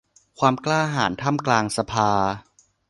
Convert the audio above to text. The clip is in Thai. ความกล้าหาญท่ามกลางสภา